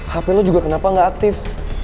hp lo juga kenapa gak aktif